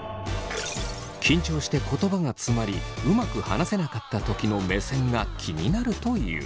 緊張して言葉がつまりうまく話せなかったときの目線が気になるという。